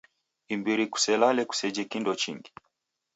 Imbiri kuselale kuseje kindo chingi.